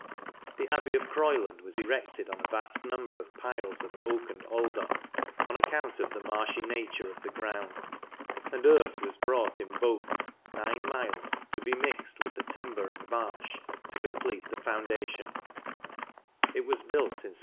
The Abbey of Croyland was erected on a vast number of piles of oak and alder, on account of the marshy nature of the ground, and earth was brought in boats, nine miles, to be mixed with the timber and marsh to complete the foundation : it was built in 716.